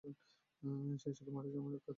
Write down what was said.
সে শুধু মাঠে যাচ্ছে।